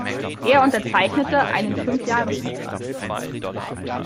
Er unterzeichnete einen Fünfjahresvertrag.